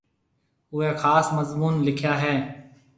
اُوئي خاص مضمُون لِکيا هيَ۔